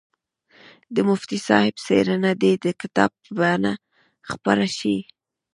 د مفتي صاحب څېړنه دې د کتاب په بڼه خپره شي.